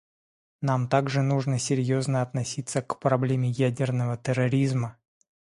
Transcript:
Нам также нужно серьезно относиться к проблеме ядерного терроризма.